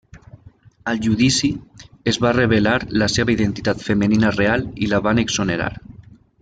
Al judici, es va revelar la seva identitat femenina real i la van exonerar.